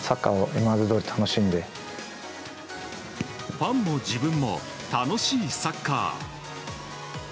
ファンも自分も楽しいサッカー。